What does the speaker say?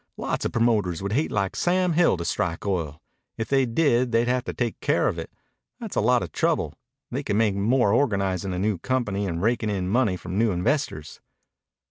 Lots o' promoters would hate like Sam Hill to strike oil. If they did they'd have to take care of it. That's a lot of trouble. They can make more organizin' a new company and rakin' in money from new investors."